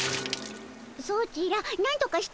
ソチらなんとかしてたも。